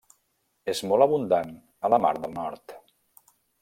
És molt abundant a la Mar del Nord.